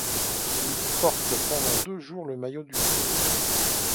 Il porte pendant deux jours le maillot de leader.